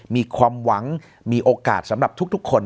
มีความหวังมีโอกาสสำหรับทุกคน